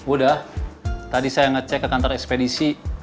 udah tadi saya ngecek ke kantor ekspedisi